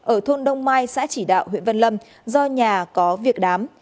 ở thôn đông mai xã chỉ đạo huyện văn lâm do nhà có việc đám